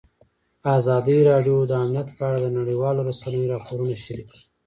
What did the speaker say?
ازادي راډیو د امنیت په اړه د نړیوالو رسنیو راپورونه شریک کړي.